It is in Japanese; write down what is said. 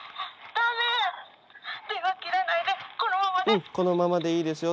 うんこのままでいいですよ。